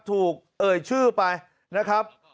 เอ่ยชื่อไปนะครับ